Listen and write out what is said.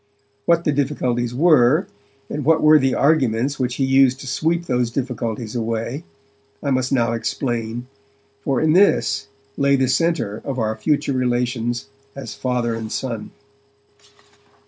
What the difficulties were, and what were the arguments which he used to sweep those difficulties away, I must now explain, for in this lay the centre of our future relations as father and son.